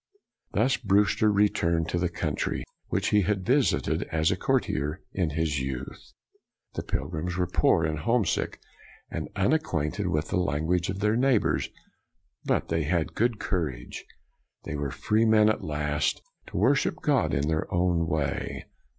r Thus Brewster returned to the country which he had visited as a courtier in his youth. The pilgrims were poor, and homesick, and unacquainted with the language of their neighbors, but they had a good courage. They were free at last to worship God in their own way.